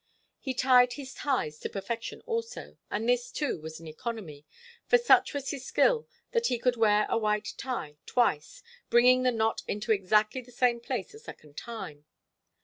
He tied his ties to perfection also, and this, too, was an economy, for such was his skill that he could wear a white tie twice, bringing the knot into exactly the same place a second time.